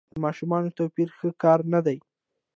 د ماشومانو توپیر ښه کار نه دی.